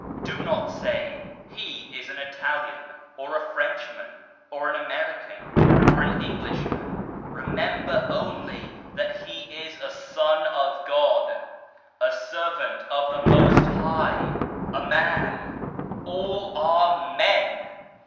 Do not say, he is an Italian, or a Frenchman, or an American, or an Englishman, remember only that he is a son of God, a servant of the Most High, a man I all are men